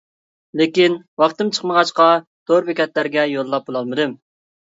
لېكىن ۋاقتىم چىقمىغاچقا تور بېكەتلەرگە يوللاپ بولالمىدىم.